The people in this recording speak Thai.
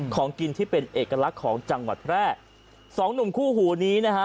ของกินที่เป็นเอกลักษณ์ของจังหวัดแพร่สองหนุ่มคู่หูนี้นะฮะ